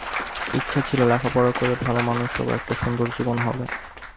ইচ্ছা ছিল, লেখাপড়া করে ভালো মানুষ হব, একটা সুন্দর জীবন হবে।